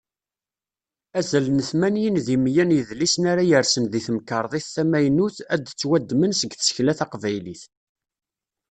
Azal n tmanyin deg meyya n yidlisen ara yersen di temkarḍit tamaynut, ad d-ttwaddmen seg tsekla taqbaylit.